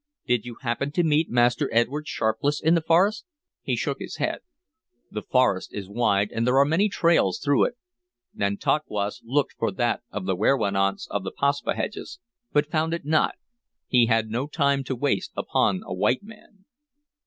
"Did you happen to meet Master Edward Sharpless in the forest?" He shook his head. "The forest is wide, and there are many trails through it. Nantauquas looked for that of the werowance of the Paspaheghs, but found it not. He had no time to waste upon a white man."